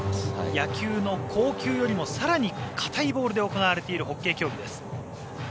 野球の硬球よりも更に硬いボールで行われているホッケー競技です。